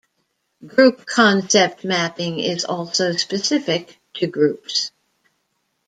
Group concept mapping is also specific to groups.